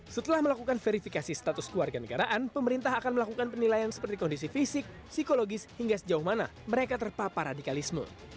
setelah melakukan verifikasi status keluarga negaraan pemerintah akan melakukan penilaian seperti kondisi fisik psikologis hingga sejauh mana mereka terpapar radikalisme